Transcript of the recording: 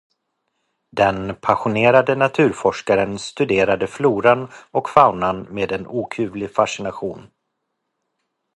Den passionerade naturforskaren studerade floran och faunan med en okuvlig fascination.